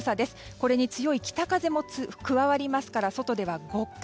これに強い北風も加わりますから外では極寒。